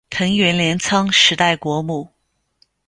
藤原镰仓时代国母。